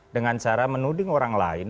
dengan cara menuding orang lain